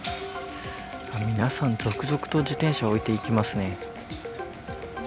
皆さん、続々と自転車を置いていきますね。